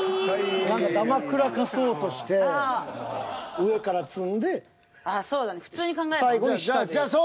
何かだまくらかそうとして上から積んで最後に下っていう。